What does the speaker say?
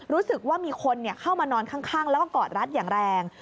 รู้สึกว่ามีคนเข้ามานอนข้างแล้วก็กอดรัดอย่างแรง